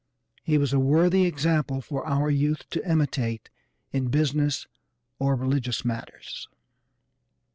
He was a worthy example for our youth to imitate in business or religious matters.